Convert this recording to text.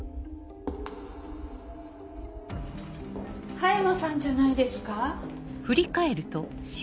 葉山さんじゃないですか？